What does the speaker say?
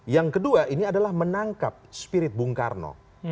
yang kedua ini adalah menangkap spirit bung karno